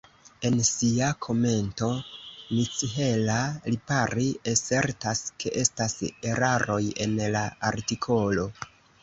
En sia komento Michela Lipari asertas, ke estas eraroj en la artikolo.